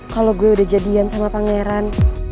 kalau gue udah jadian sama pangeran